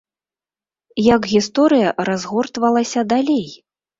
Як гісторыя разгортвалася далей?